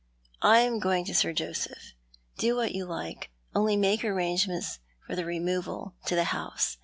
" I am going to Sir Joseph. Do what you like — only make arrangements for the removal — to the house."